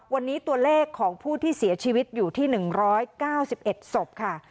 วันนี้ตัวเลขของผู้ที่เสียชีวิตอยู่ที่หนึ่งร้อยเก้าสิบเอ็ดศพค่ะ